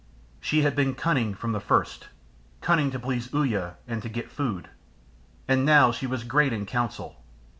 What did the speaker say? She had been cunning from the first, cunning to please Uya and to get food. And now she was great in counsel.